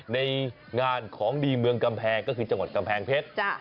ในงานของดีเมืองกำแพงก็คือจังหวัดกำแพงเพชร